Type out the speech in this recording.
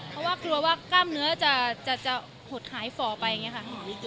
เพราะว่ากลัวว่ากล้ามเนื้อจะหดหายฝ่อไปอย่างนี้ค่ะ